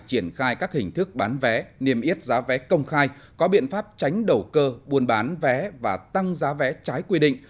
triển khai các hình thức bán vé niêm yết giá vé công khai có biện pháp tránh đầu cơ buôn bán vé và tăng giá vé trái quy định